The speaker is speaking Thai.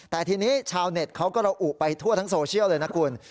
แต่ทีนี้ชาวเน็ตเขาก็ระอุไปทั่วทั้งโซเชียลเลยนะคุณ